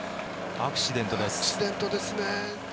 アクシデントですね。